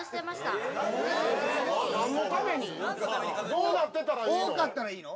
どうなってたらいいの？